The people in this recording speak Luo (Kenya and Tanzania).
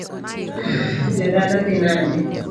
Jodala dhi nade?